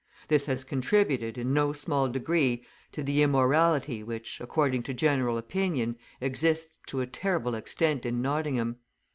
This has contributed, in no small degree, to the immorality which, according to general opinion, exists to a terrible extent in Nottingham.